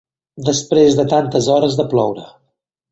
Després de tantes hores de ploure